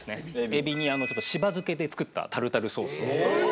エビに柴漬けで作ったタルタルソースを。